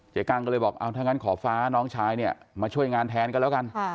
กั้งก็เลยบอกเอาถ้างั้นขอฟ้าน้องชายเนี่ยมาช่วยงานแทนกันแล้วกัน